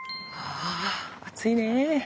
あ暑いね。